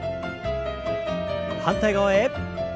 反対側へ。